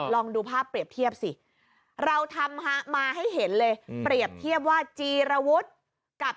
ลองดูภาพเปรียบเทียบสิเราทำมาให้เห็นเลยเปรียบเทียบว่าจีรวุฒิกับ